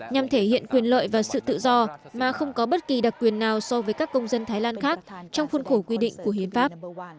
nhằm thể hiện quyền lợi và sự tự do mà không có bất kỳ đặc quyền nào so với các công dân thái lan khác trong khuôn khổ quy định của hiến pháp